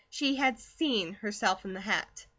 She had SEEN herself in the hat.